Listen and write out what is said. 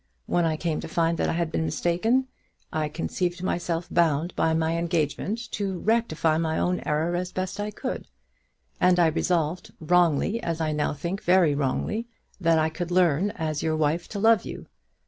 When I came to find that I had been mistaken, I conceived myself bound by my engagement to rectify my own error as best I could; and I resolved, wrongly, as I now think, very wrongly, that I could learn as your wife to love you.